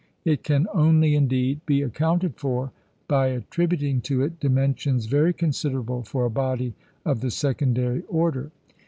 It can only, indeed, be accounted for by attributing to it dimensions very considerable for a body of the secondary order.